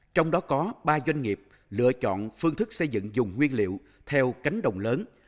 trong đó có ba doanh nghiệp lựa chọn phương thức xây dựng dùng nguyên liệu theo cánh đồng lớn